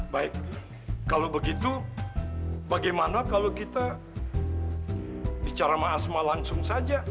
baik kalau begitu bagaimana kalau kita bicara ⁇ asma langsung saja